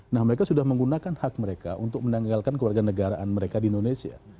nah mereka sudah menggunakan hak mereka untuk menanggalkan keluarga negaraan mereka di indonesia